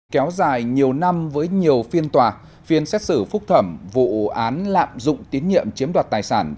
kéo dài nhiều năm với nhiều phiên tòa phiên xét xử phúc thẩm vụ án lạm dụng tín nhiệm chiếm đoạt tài sản